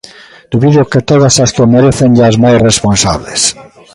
Dubido que todas as que o merecen e as máis responsables.